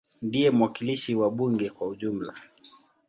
Ndiye mwakilishi wa bunge kwa ujumla.